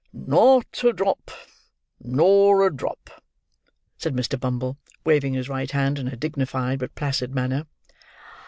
"Not a drop. Nor a drop," said Mr. Bumble, waving his right hand in a dignified, but placid manner.